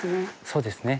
そうですね。